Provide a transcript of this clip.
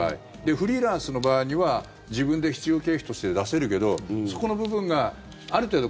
フリーランスの場合には自分で必要経費として出せるけどそこの部分がある程度